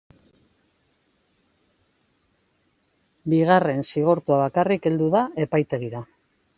Bigarren zigortua bakarrik heldu da epaitegira.